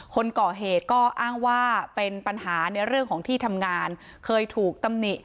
คนก่อเหตุก็อ้างว่าเป็นปัญหาในเรื่องของที่ทำงานเคยถูกตำหนิ